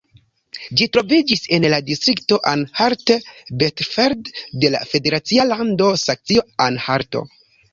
Ĝi troviĝis en la distrikto Anhalt-Bitterfeld de la federacia lando Saksio-Anhalto.